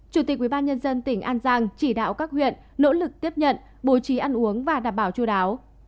chủ tịch ubnd tỉnh an giang chỉ đạo các huyện nỗ lực tiếp nhận bố trí ăn uống và đảm bảo chú đáo